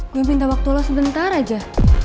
gue minta waktu lo sebentar aja